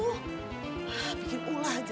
wah bikin ulah aja